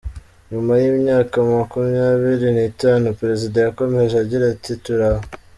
“Nyuma y’imyaka makumyabiri n’itanu, Perezida yakomeje agira ati, “turi aha.